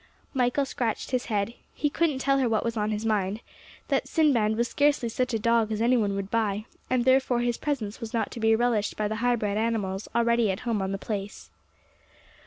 Michael scratched his head. He couldn't tell her what was on his mind, that Sinbad was scarcely such a dog as any one would buy, and therefore his presence was not to be relished by the high bred animals already at home on the place.